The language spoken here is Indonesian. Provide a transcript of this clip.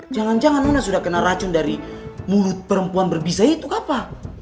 jangan jangan luna sudah kena racun dari mulut perempuan berbisa itu apa